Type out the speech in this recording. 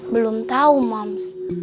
belum tahu moms